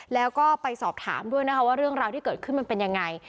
แล้วก็ไปสอบถามด้วยนะคะว่าเรื่องราวที่เกิดขึ้นมันเป็นยังไง